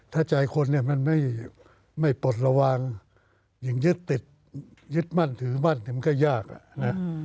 ถ้าใจคนเนี่ยมันไม่ปลดระวังอย่างยึดติดยึดมั่นถือมั่นมันก็ยากอ่ะนะ